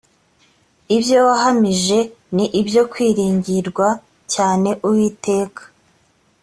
ibyo wahamije ni ibyo kwiringirwa cyane uwiteka